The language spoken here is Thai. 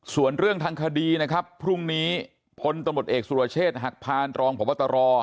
ส่วนเรื่องทางคดีนะครับพรุ่งนี้พลตำรวจเอกสุรเชษฐ์หักพานรองพบตร